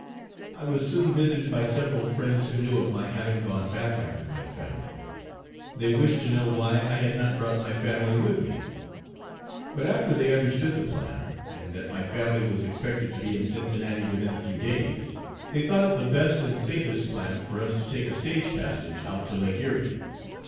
I was soon visited by several friends who knew of my having gone back after my family. They wished to know why I had not brought my family with me; but after they understood the plan, and that my family was expected to be in Cincinnati within a few days, they thought it the best and safest plan for us to take a stage passage out to Lake Erie.